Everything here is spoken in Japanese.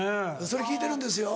それ聞いてるんですよ。